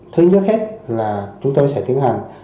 thứ nhất hết là chúng tôi sẽ tiến hành